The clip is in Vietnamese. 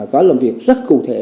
có làm việc rất cụ thể